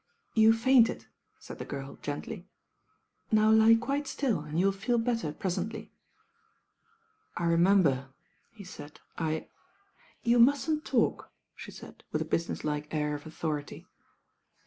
"You fainted/* taid the girl gently. "Now Ue quite ttill and you'll feel better pretently." "I remember," he taid, "I "You muttn't talk," the taid with a butioett like air of authority.